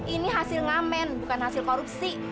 ini hasil ngamen bukan hasil korupsi